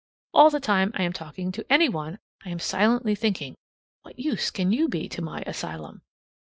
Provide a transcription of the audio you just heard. All the time I am talking to any one, I am silently thinking, "What use can you be to my asylum?"